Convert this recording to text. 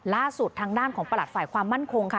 ล่าสุดทางด้านของประหลัดฝ่ายความมั่นคงค่ะ